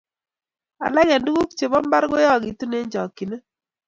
Alak eng tukuk che bo mbar koyookitun eng chokchine.